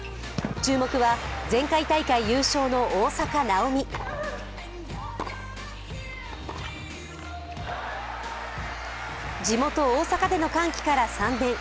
注目は、前回大会優勝の大坂なおみ地元・大阪での歓喜から３年。